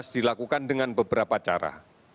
dilakukan dengan beberapa cara